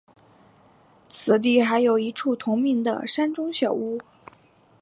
此地还有一处同名的山中小屋。